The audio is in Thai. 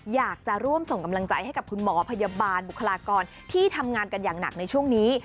อยากจะร่วมส่งกำลังใจให้กับคุณหมอพยาบาลบุคลากรที่ทำงานกันอย่างหนักในช่วงนี้